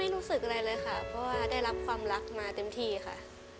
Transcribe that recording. รู้สึกอะไรเลยค่ะเพราะว่าได้รับความรักมาเต็มที่ค่ะ